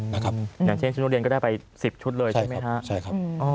อย่างเช่นชุโรเตียนก็ได้ไป๑๐ชุดเลยใช่ไหมครับ